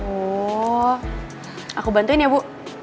oh aku bantuin ya bu